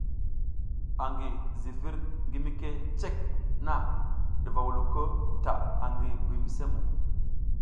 Angi zivir ngi mike cek na ɗuva wuluko ta angi Buymisemuŋ.